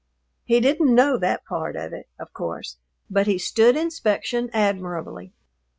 He didn't know that part of it, of course, but he stood inspection admirably.